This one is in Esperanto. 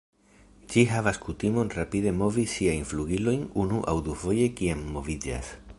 Ĝi havas kutimon rapide movi siajn flugilojn unu aŭ dufoje kiam moviĝas.